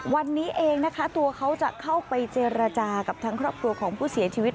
วันนี้เองนะคะตัวเขาจะเข้าไปเจรจากับทั้งครอบครัวของผู้เสียชีวิต